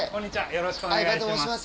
よろしくお願いします。